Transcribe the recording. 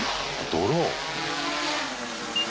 ドローン。